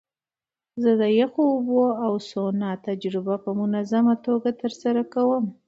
زه د یخو اوبو او سونا تجربه په منظمه توګه ترسره کوم.